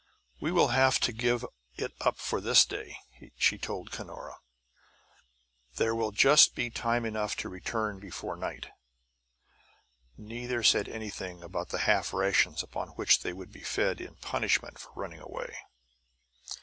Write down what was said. "We will have to give it up for this day," she told Cunora. "There be just time enough to return before night." Neither said anything about the half rations upon which they would be fed in punishment for running away.